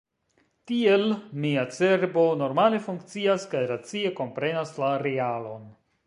Tiel, mia cerbo normale funkcias kaj racie komprenas la realon.